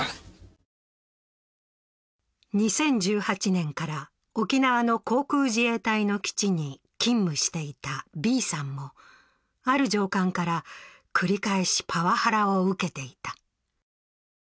２０１８年から沖縄の航空自衛隊の基地に勤務していたＢさんもある上官から繰り返しパワハラを受けていた。